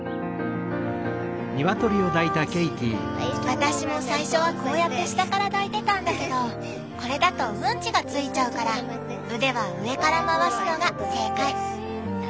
私も最初はこうやって下から抱いてたんだけどこれだとウンチが付いちゃうから腕は上から回すのが正解。